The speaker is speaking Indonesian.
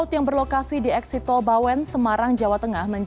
jalan jawa tengah